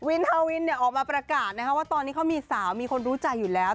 ฮาวินออกมาประกาศว่าตอนนี้เขามีสาวมีคนรู้ใจอยู่แล้ว